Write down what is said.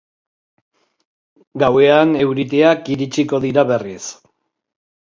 Gauean euriteak iritsiko dira berriz.